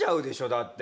だって。